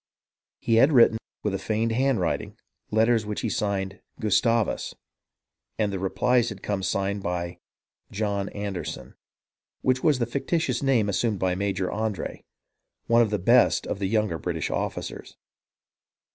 He had written, with a feigned handwriting, letters which he signed "Gustavus"; and the replies had come signed by "John Anderson," which was the fictitious name assumed by Major Andre, one of the best of the younger British officers.